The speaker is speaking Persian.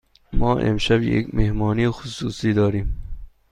ما امشب یک مهمانی خصوصی داریم.